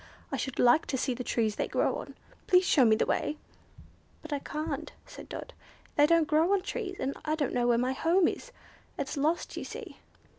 I should like to see the trees they grow on. Please show me the way." "But I can't," said Dot; "they don't grow on trees, and I don't know my way home. It's lost, you see."